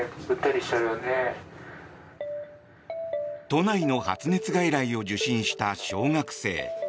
都内の発熱外来を受診した小学生。